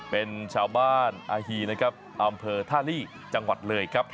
เป็นชาวบ้านอาฮีนะครับอำเภอท่าลีจังหวัดเลยครับ